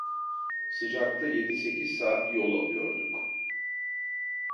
Sıcakta yedi sekiz saat yol alıyorduk.